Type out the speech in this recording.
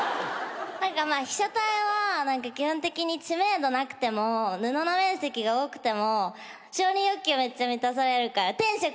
何かまあ被写体は基本的に知名度なくても布の面積が多くても承認欲求めっちゃ満たされるから天職です！